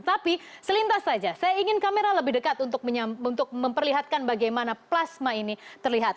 tapi selintas saja saya ingin kamera lebih dekat untuk memperlihatkan bagaimana plasma ini terlihat